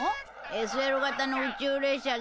ＳＬ型の宇宙列車だよ。